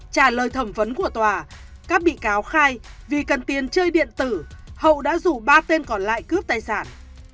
trả lời thẩm vấn của tòa các bị cáo khai vì cần tiền chơi điện tử hậu đã rủ ba tên còn lại cướp tài sản